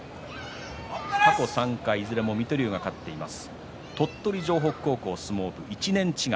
過去３回いずれも水戸龍が勝っています。